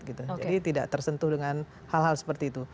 jadi tidak tersentuh dengan hal hal seperti itu